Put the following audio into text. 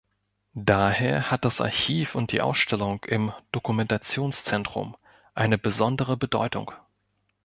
Daher hat das Archiv und die Ausstellung im Dokumentationszentrum eine besondere Bedeutung.